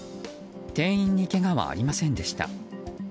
店員にけがはありませんでした。